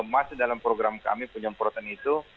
masih dalam program kami penyemprotan itu